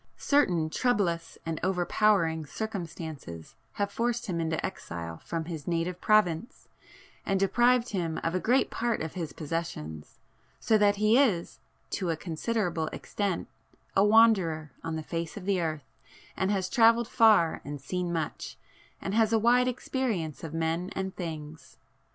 Certain troublous and overpowering circumstances have forced him into exile from his native province, and deprived him of a great part of his possessions, so that he is, to a considerable extent a wanderer on the face of the earth, and has travelled far and seen much, and has a wide experience of men and things.